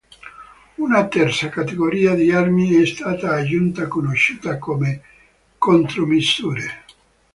Una terza categoria di armi è stata aggiunta, conosciuta come "contromisure".